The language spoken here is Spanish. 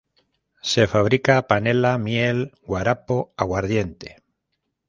Se fabrica panela, miel, guarapo, aguardiente.